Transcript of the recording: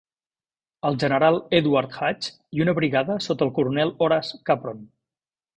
El general Edward Hatch i una brigada sota el coronel Horace Capron.